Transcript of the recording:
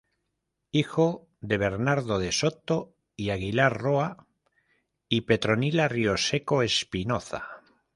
Hijo de "Bernardo de Soto y Aguilar Roa" y "Petronila Rioseco Espinoza".